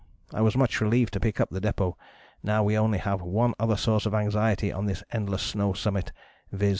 I was much relieved to pick up the depôt: now we only have one other source of anxiety on this endless snow summit, viz.